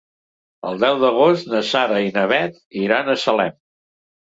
El deu d'agost na Sara i na Bet iran a Salem.